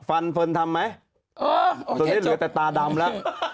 ฟันเพลินทำไหมตอนนี้เหลือแต่ตาดำแล้ว